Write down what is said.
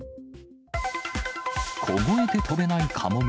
凍えて飛べないカモメ。